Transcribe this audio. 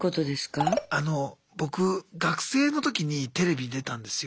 僕学生の時にテレビ出たんですよ。